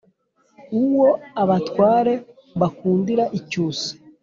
Uwo abatware bakundira icyusa